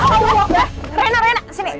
aduh ya ampun rena sini